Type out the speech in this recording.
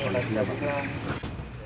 kondisi nya bagus